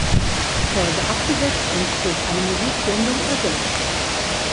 Folge abgesetzt und durch eine Musiksendung ersetzt.